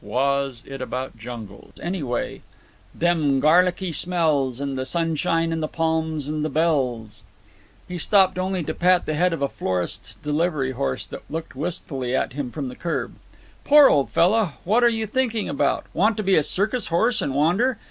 was it about jungles? Anyway: "'Them garlicky smells, And the sunshine and the palms and the bells.'" He had to hurry back to the office. He stopped only to pat the head of a florist's delivery horse that looked wistfully at him from the curb. "Poor old fella. What you thinking about? Want to be a circus horse and wander?